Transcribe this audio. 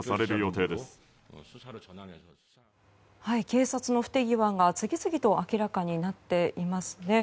警察の不手際が次々と明らかになっていますね。